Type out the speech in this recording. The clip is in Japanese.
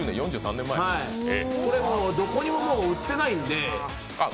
これどこにももう売ってないんで。